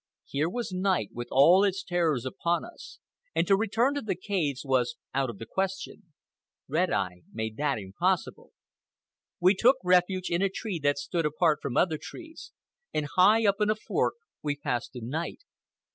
Here was night with all its terrors upon us, and to return to the caves was out of the question. Red Eye made that impossible. We took refuge in a tree that stood apart from other trees, and high up in a fork we passed the night.